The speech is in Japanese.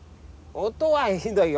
音はひどいよ。